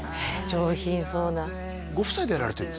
上品そうなご夫妻でやられてるんですか？